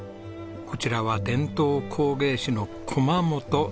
こちらは伝統工芸士の駒本長信さん。